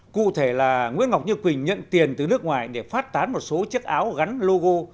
cụ thể là nguyễn ngọc như quỳnh nhận tiền từ nước ngoài để phát tán một số chiếc áo gắn logo